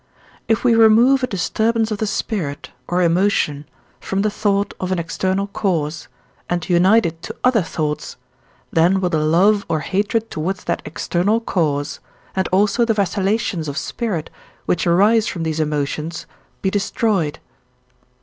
If we remove a disturbance of the spirit, or emotion, from the thought of an external cause, and unite it to other thoughts, then will the love or hatred towards that external cause, and also the vacillations of spirit which arise from these emotions, be destroyed.